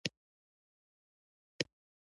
تر څو چې په یوه وسیله حج ته ولاړ.